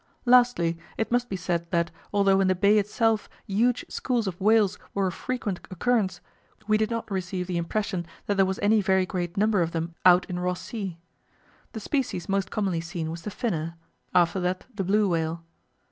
Lastly, it must be said that, although in the bay itself huge schools of whales were of frequent occurrence, we did not receive the impression that there was any very great number of them out in Ross Sea. The species most commonly seen was the Finner; after that the Blue Whale.